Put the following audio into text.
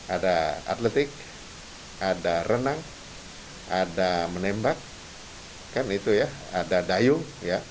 ada atletik ada renang ada menembak kan itu ya ada dayung ya